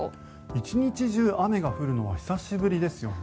一日中雨が降るのは久しぶりですよね。